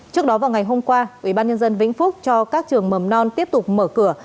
trước đó vào ngày hôm qua ủy ban nhân dân vĩnh phúc cho các trường mầm non tiếp tục mở cửa